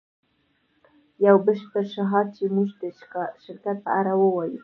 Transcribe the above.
یو بشپړ شعار چې زموږ د شرکت په اړه ووایی